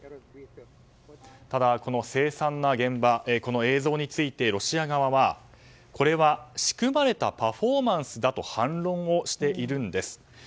ただ凄惨な現場、映像についてロシア側は、これは仕組まれたパフォーマンスだと反論をしているんです。